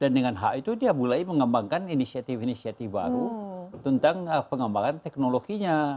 dan dengan hak itu dia mulai mengembangkan inisiatif inisiatif baru tentang pengembangan teknologinya